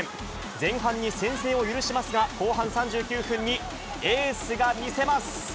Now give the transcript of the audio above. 前半に先制を許しますが、後半３９分にエースが見せます。